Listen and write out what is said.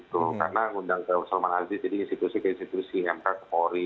karena undang ke suleman aziz jadi institusi ke institusi mk ke polri